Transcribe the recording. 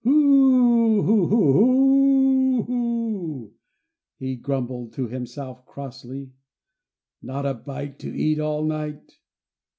"Who, ho, ho, ho ho, ho ho," he grumbled to himself crossly. "Not a bite to eat all night."